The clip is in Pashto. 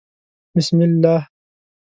_بسم الله.